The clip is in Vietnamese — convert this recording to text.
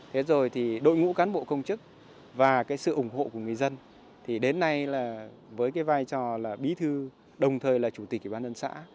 thế rồi thì đội ngũ cán bộ công chức và cái sự ủng hộ của người dân thì đến nay là với cái vai trò là bí thư đồng thời là chủ tịch ủy ban nhân xã